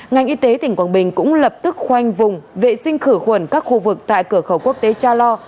ngành y tế tỉnh quảng bình cũng lập tức khoanh vùng vệ sinh khử khuẩn các khu vực tại cửa khẩu quốc tế cha lo